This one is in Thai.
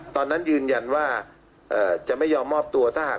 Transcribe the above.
ตอนนั้นยืนยันว่าจะไม่ยอมมอบตัวถ้าหาก